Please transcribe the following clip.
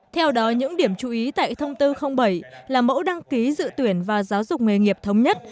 theo đó những điểm chú ý tại thông tư bảy là mẫu đăng ký dự tuyển và giáo dục nghề nghiệp thống nhất